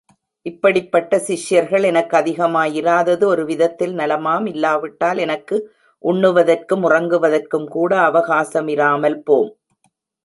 இப்படிப்பட்ட சிஷ்யர்கள் எனக்கு அதிகமாயிராதது ஒரு விதத்தில் நலமாம் இல்லாவிட்டால், எனக்கு உண்ணுவதற்கும் உறங்குவதற்கும்கூட அவகாசமிராமல் போம்!